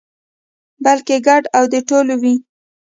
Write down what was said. بلکې ګډ او د ټولو وي.